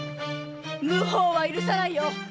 無法は許さないよ！